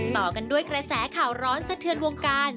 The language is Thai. ต่อกันด้วยกระแสข่าวร้อนสะเทือนวงการ